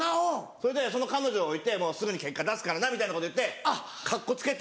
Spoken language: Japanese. それでその彼女を置いて「すぐに結果出すからな」みたいなこと言ってカッコつけて。